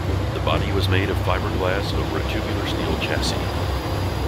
The body was made of fiberglass over a tubular steel chassis.